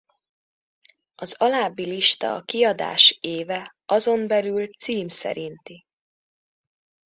Az alábbi lista a kiadás éve azon belül cím szerinti.